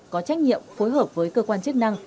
có trách nhiệm phối hợp với cơ quan chức năng